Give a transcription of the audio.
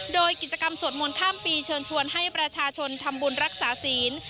โดยกิจกรรมสวดมนต์ข้ามปีเชิญชวนให้ประชาชนทำบุญรักษาศีล